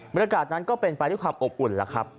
บริการนั้นก็เป็นไปด้วยความอบอุ่น